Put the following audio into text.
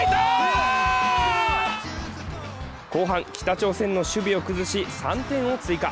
後半、北朝鮮の守備を崩し３点を追加。